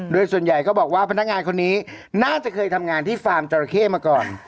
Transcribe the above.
โดยส่วนใหญ่ก็บอกว่าพนักงานคนนี้น่าจะเคยทำงานที่ฟาร์มจราเข้มาก่อน